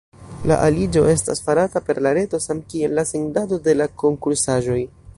La aliĝo estas farata per la reto, samkiel la sendado de la konkursaĵoj.